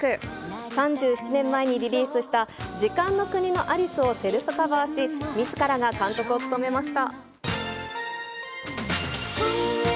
３７年前にリリースした時間の国のアリスをセルフカバーし、みずからが監督を務めました。